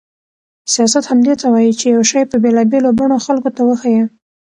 سیاست همدې ته وایي چې یو شی په بېلابېلو بڼو خلکو ته وښيي.